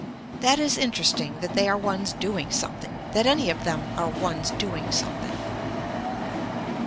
That is interesting that they are ones doing something, that any of them are ones doing something.